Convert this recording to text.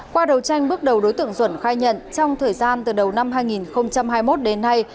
qua đầu tranh bước đầu đối tượng duẩn khai nhận trong thời gian từ đầu năm hai nghìn hai mươi một đến nay